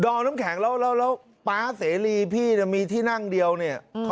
อมน้ำแข็งแล้วป๊าเสรีพี่มีที่นั่งเดียวเนี่ย